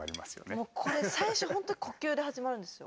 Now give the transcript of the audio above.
もうこれ最初ほんと呼吸で始まるんですよ。